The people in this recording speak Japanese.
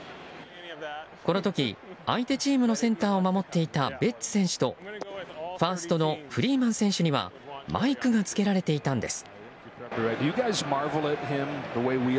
この時、相手チームのセンターを守っていたベッツ選手とファーストのフリーマン選手にはマイクがつけられていたんです。